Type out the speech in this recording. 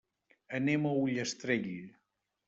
Anem a Ullastrell.